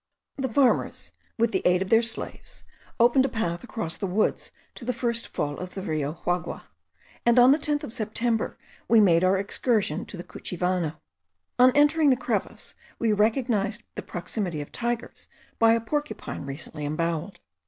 The farmers, with the aid of their slaves, opened a path across the woods to the first fall of the Rio Juagua; and on the 10th of September we made our excursion to the Cuchivano. On entering the crevice we recognised the proximity of tigers by a porcupine recently emboweled.